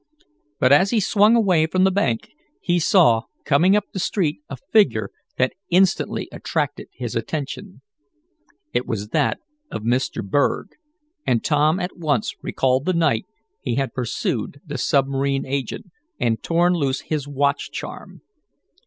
But, as he swung away from the bank, he saw, coming up the street a figure that instantly attracted his attention. It was that of Mr. Berg, and Tom at once recalled the night he had pursued the submarine agent, and torn loose his watch charm.